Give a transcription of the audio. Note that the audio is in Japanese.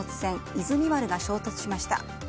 「いずみ丸」が衝突しました。